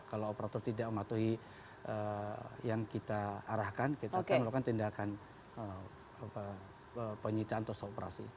kalau operator tidak mematuhi yang kita arahkan kita akan melakukan tindakan penyitaan tos operasi